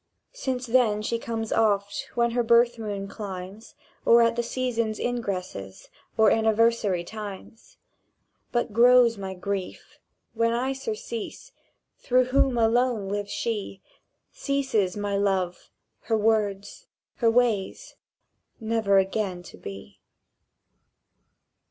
Since then she comes Oft when her birth moon climbs, Or at the seasons' ingresses Or anniversary times; But grows my grief. When I surcease, Through whom alone lives she, Ceases my Love, her words, her ways, Never again to be!